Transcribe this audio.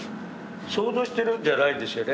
想像してるんじゃないんですよね。